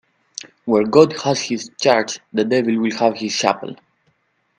Where God has his church, the devil will have his chapel.